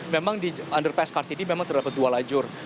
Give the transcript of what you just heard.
memang di underpass kartini memang terdapat dua lajur